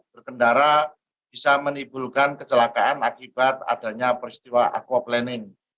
berkendara bisa menimbulkan kecelakaan akibat adanya peristiwa aquaplaning